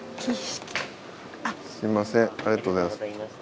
すみませんありがとうございます。